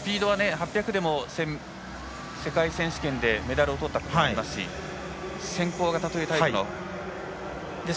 ８００でも世界選手権でメダルをとったことがありますし先行型というタイプの古屋です。